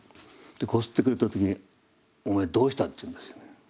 こすってくれた時に「お前どうした？」って言うんですよね。